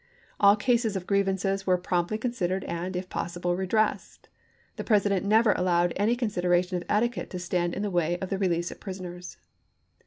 All cases of grievances were promptly considered and, if possible, redressed; the Presi dent never allowed any consideration of etiquette to stand in the way of the release of prisoners.